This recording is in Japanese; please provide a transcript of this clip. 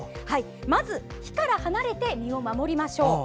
まずは火から離れて身を守りましょう。